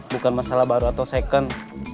bukan masalah baru atau second